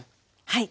はい。